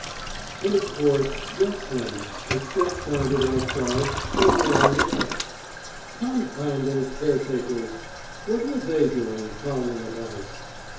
And of course just then a step sounded outside somewhere on some gravel. Confound those caretakers! What were they doing, prowling about?